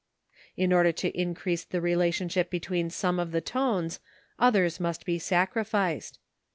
In order to increase the relationship between some of the tones others must be sacrificed.